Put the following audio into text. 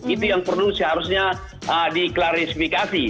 itu yang perlu seharusnya diklarifikasi